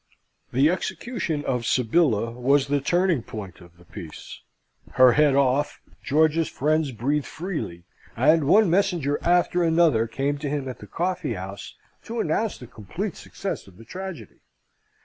The execution of Sybilla was the turning point of the piece. Her head off, George's friends breathed freely, and one messenger after another came to him at the coffee house, to announce the complete success of the tragedy.